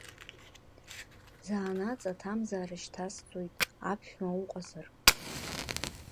Заанаҵ аҭамзаара шьҭасҵоит, аԥшәма уҟазар…